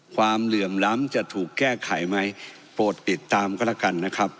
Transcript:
เหลื่อมล้ำจะถูกแก้ไขไหมโปรดติดตามก็แล้วกันนะครับ